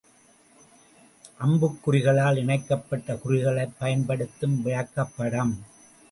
அம்புக்குறிகளால் இணைக்கப்பட்ட குறிகளைப் பயன்படுத்தும் விளக்கப்படம்.